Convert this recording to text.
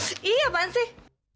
iyih apaan sih